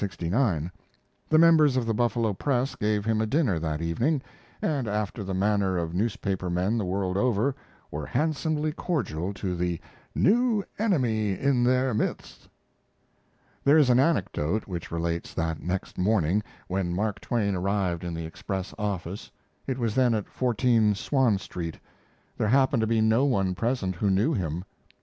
The members of the Buffalo press gave him a dinner that evening, and after the manner of newspaper men the world over, were handsomely cordial to the "new enemy in their midst." There is an anecdote which relates that next morning, when Mark Twain arrived in the Express office (it was then at 14 Swan Street), there happened to be no one present who knew him.